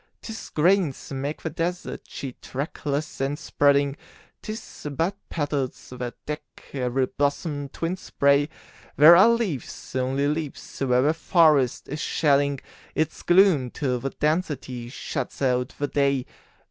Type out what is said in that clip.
'Tis grains make the desert sheet, trackless and spreading; 'Tis but petals that deck every blossom twinned spray; There are leaves only leaves where the forest is shedding Its gloom till the density shuts out the day.